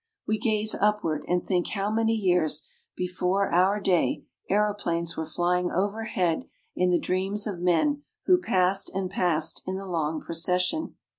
We gaze upward and think how many years before our day aeroplanes were flying overhead in the dreams of men who passed and passed in the long procession.